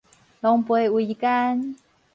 狼狽為奸